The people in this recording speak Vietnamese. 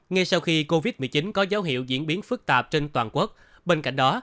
ngay sau khi covid một mươi chín có dấu hiệu diễn biến phức tạp trên toàn quốc bên cạnh đó